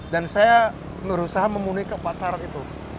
dan saya berusaha memunih ke empat syarat itu